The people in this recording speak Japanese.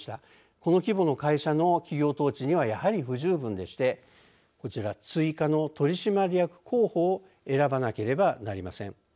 この規模の会社の企業統治にはやはり不十分でしてこちら追加の取締役候補を選ばなければなりません。